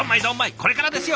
これからですよ